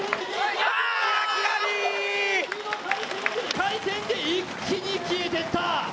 回転で一気に消えていった！